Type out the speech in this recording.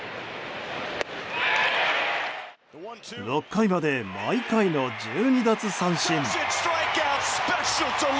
６回まで毎回の１２奪三振。